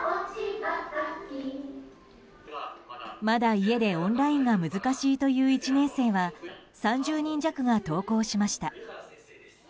まだ家でオンラインが難しいという１年生は３０人弱が登校しました。